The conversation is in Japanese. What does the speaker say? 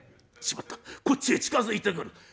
しまったこっちへ近づいてくる」。